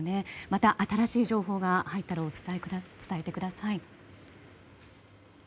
また新しい情報が入ったら伝えてください。